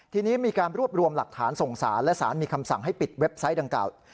ทีนี้มีการรวบรวมหลักฐานส่งสารและสารมีคำสั่งให้ปิดเว็บไซต์ดังกล่าว